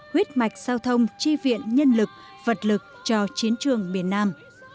huyết mạch giao thông chi viện nhân lực vật lực cho chiến trường miền nam